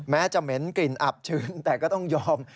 แม้จะเหม็นกลิ่นอับชื้นแต่ก็ต้องยอม